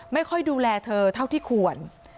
ไม่ค่อยดูแลเธอเท่าที่ควร